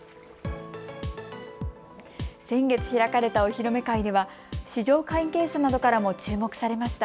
先月開かれたお披露目会では、市場関係者などからも注目されました。